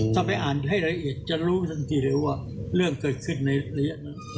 ถ้าไปอ่านให้ละเอียดจะรู้ทันทีเลยว่าเรื่องเกิดขึ้นในระยะนั้น